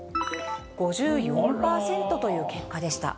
５４％という結果でした。